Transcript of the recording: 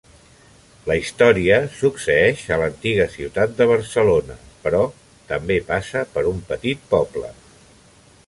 La història succeeix a l'antiga ciutat de Barcelona, però també passa per un petit poble.